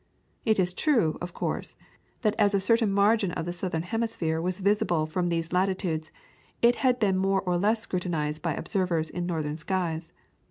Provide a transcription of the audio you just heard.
It is true, of course, that as a certain margin of the southern hemisphere was visible from these latitudes, it had been more or less scrutinized by observers in northern skies.